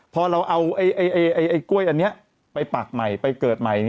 พอเราเอากล้วยอันนี้ไปปากใหม่ไปเกิดใหม่